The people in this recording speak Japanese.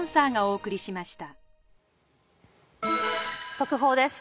速報です。